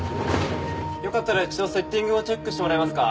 よかったら一度セッティングをチェックしてもらえますか？